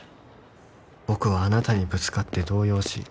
「僕はあなたにぶつかって動揺し」